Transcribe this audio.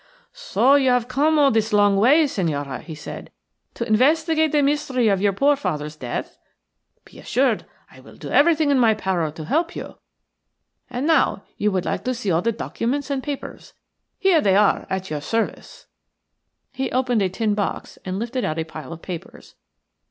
"So you have come all this long way, Senhora," he said, "to investigate the mystery of your poor father's death? Be assured I will do everything in my power to help you. And now you would all like to see the documents and papers. Here they are at your service." He opened a tin box and lifted out a pile of papers.